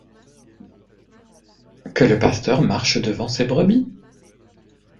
Que le pasteur marche devant ses brebis.